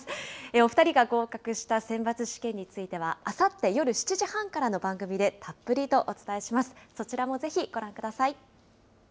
お２人が合格した選抜試験については、あさって夜７時半からの番組でたっぷりとお伝えします。